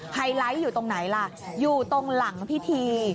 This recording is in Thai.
ไฮไลท์อยู่ตรงไหนล่ะอยู่ตรงหลังพิธี